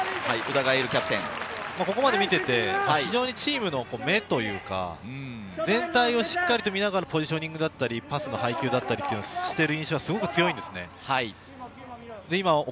ここまで見ていて非常にチームの目というか、全体をしっかり見ながらポジショニングだったり、パスの配球だったりをしてる印象はすごい強いんですね。